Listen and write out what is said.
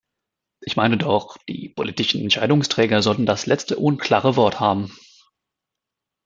Ich meine doch, die politischen Entscheidungsträger sollten das letzte und klare Wort haben.